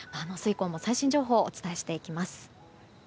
以降も最新情報をお伝えしていきます。